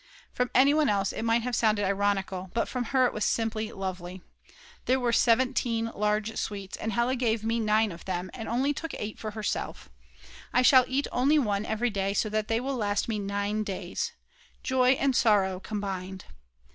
From anyone else it might have sounded ironical, but from her it was simply lovely. There were 17 large sweets, and Hella gave me 9 of them and took only 8 for herself. I shall eat only one every day, so that they will last me 9 days. _Joy and sorrow combined!!